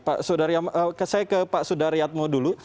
pak sudaryam saya ke pak sudaryatmo dulu